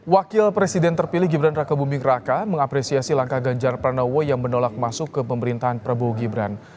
wakil presiden terpilih gibran raka buming raka mengapresiasi langkah ganjar pranowo yang menolak masuk ke pemerintahan prabowo gibran